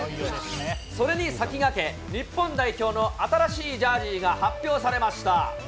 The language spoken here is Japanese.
それに先駆け、日本代表の新しいジャージーが発表されました。